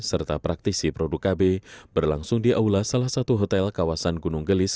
serta praktisi produk kb berlangsung di aula salah satu hotel kawasan gunung gelis